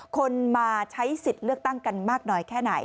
คนมาใช้สิทธิ์เลือกตั้งกันมากน้อยแค่ไหน